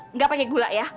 nggak pakai gula ya